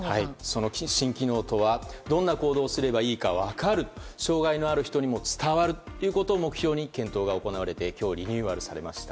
その新機能とはどんな行動をすればいいか分かる障害のある人にも伝わることを目標に検討が行われて今日リニューアルされました。